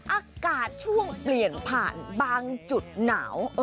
อากาศช่วงเปลี่ยนผ่านบางจุดหนาว